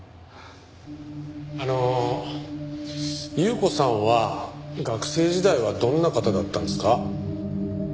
あの優子さんは学生時代はどんな方だったんですか？